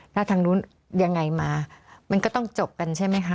ถ้าทางนู้นยังไงมามันก็ต้องจบกันใช่ไหมคะ